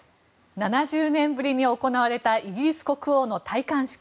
７０年ぶりに行われたイギリス国王の戴冠式。